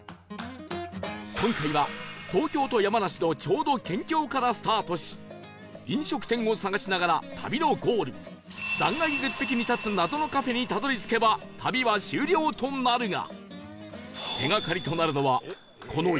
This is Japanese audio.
今回は東京と山梨のちょうど県境からスタートし飲食店を探しながら旅のゴール断崖絶壁に立つ謎のカフェにたどり着けば旅は終了となるが